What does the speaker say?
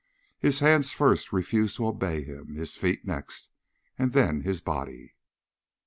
His hands first refuse to obey him. His feet next. And then his body.